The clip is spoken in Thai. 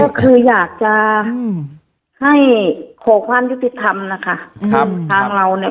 ก็คืออยากจะให้ขอความยุติธรรมนะคะครับทางเราเนี่ย